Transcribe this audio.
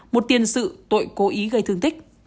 một tiền sự tội cố ý gây thương tích